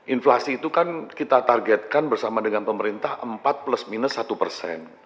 inflasi itu kan kita targetkan bersama dengan pemerintah empat plus minus satu persen